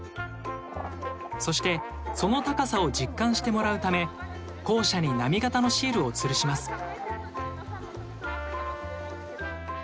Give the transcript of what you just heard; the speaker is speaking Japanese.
そしてその高さを実感してもらうため校舎に波形のシールをつるします。